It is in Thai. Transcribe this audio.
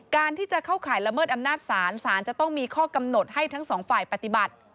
การที่จะเข้าข่ายละเมิดอำนาจศาลศาลจะต้องมีข้อกำหนดให้ทั้งสองฝ่ายปฏิบัติ